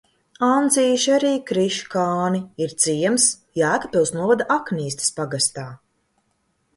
Ancīši, arī Kriškāni ir ciems Jēkabpils novada Aknīstes pagastā.